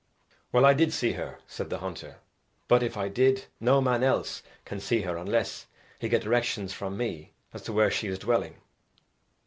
"Well, I did see her," said the hunter. "But, if I did, no man else can see her unless he get directions from me as to where she is dwelling."